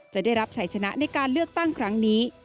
จะได้รับชัยชนะในการเลือกตั้งครั้งนี้